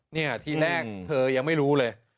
เนี่ยค่ะที่แรกเธอยังไม่รู้เลย